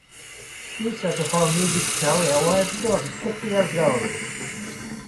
She started her music career when she was six years old.